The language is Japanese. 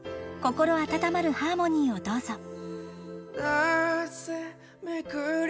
［心温まるハーモニーをどうぞ］